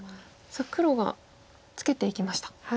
黒がツケていきました。